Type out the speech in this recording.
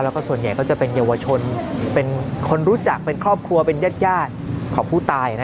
แล้วก็ส่วนใหญ่ก็จะเป็นเยาวชนเป็นคนรู้จักเป็นครอบครัวเป็นญาติของผู้ตาย